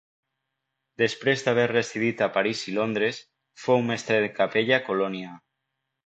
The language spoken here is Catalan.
Després d'haver residit a París i Londres, fou mestre de capella a Colònia.